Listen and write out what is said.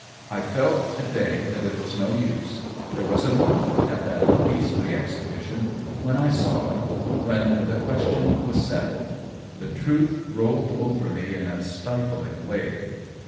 I felt to day that it was no use ; there was a moment, at that beastly exhibition, when I saw it, when the ques tion was settled. The truth rolled over me in a stifling wave.